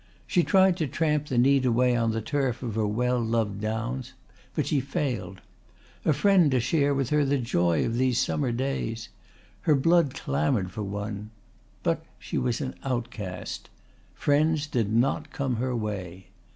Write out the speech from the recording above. She tried to tramp the need away on the turf of her well loved downs, but she failed. A friend to share with her the joy of these summer days! Her blood clamoured for one. But she was an outcast. Friends did not come her way.